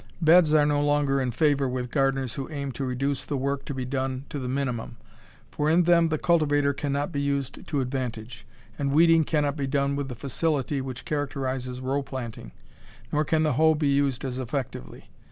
Beds are no longer in favor with gardeners who aim to reduce the work to be done to the minimum, for in them the cultivator cannot be used to advantage, and weeding cannot be done with the facility which characterizes row planting, nor can the hoe be used as effectively.